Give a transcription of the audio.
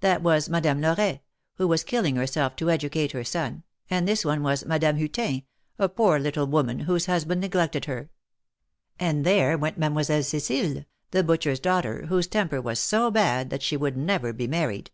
That was Madame Loret, who was killing herself to educate her son, and this one was Madame Hutin, a poor little woman, whose husband neglected her ; and there went Mademoiselle C4cile, the butcher's daughter, whose temper was so bad that she would never be married.